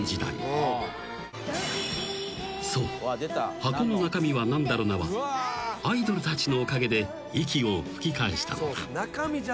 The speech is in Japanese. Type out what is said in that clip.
「箱の中身はなんだろな？」はアイドルたちのおかげで息を吹き返したのだ］